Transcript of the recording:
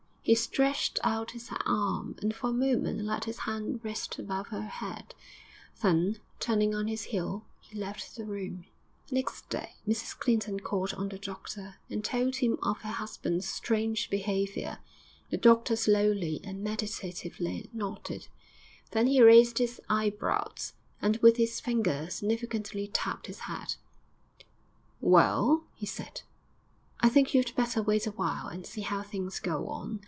He stretched out his arm, and for a moment let his hand rest above her head; then, turning on his heel, he left the room. Next day Mrs Clinton called on the doctor, and told him of her husband's strange behaviour. The doctor slowly and meditatively nodded, then he raised his eyebrows, and with his finger significantly tapped his head.... 'Well,' he said, 'I think you'd better wait a while and see how things go on.